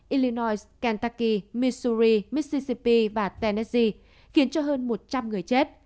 illinois kentucky missouri mississippi và tennessee khiến cho hơn một trăm linh người chết